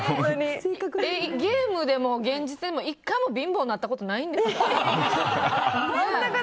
ゲームでも現実でも１回も貧乏になったことないんですか。